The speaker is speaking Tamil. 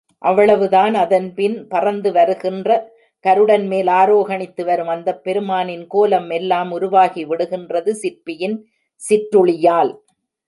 அவ்வளவுதான் அதன்பின் பறந்து வருகின்ற கருடன்மேல் ஆரோகணித்து வரும் அந்தப் பெருமானின் கோலம் எல்லாம் உருவாகிவிடுகிறது சிற்பியின் சிற்றுளியால்.